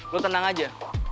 gou tenang aja